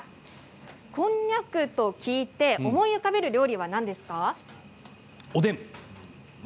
こんにゃくと聞いて思い浮かべる料理は何ですか？